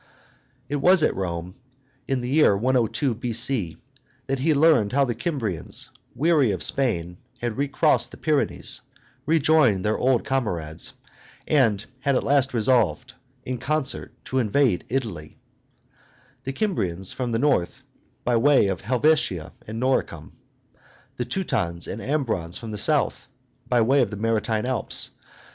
It was at Rome, in the year 102 B.C., that he learned how the Kymrians, weary of Spain, had recrossed the Pyrenees, rejoined their old comrades, and had at last resolved, in concert, to invade Italy; the Kymrians from the north, by way of Helvetia and Noricum, the Teutons and Ambrons from the south, by way of the maritime Alps.